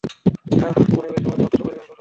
আহ, আমি মনে করি তোমাদের অন্তত পরিবার, ঘর আছে।